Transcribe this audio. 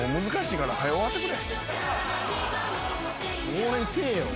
応援せえよ。